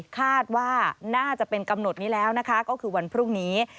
คาดว่าน่าจะเป็นกำหนดนี้แล้วนะคะก็คือวันพรุ่งนี้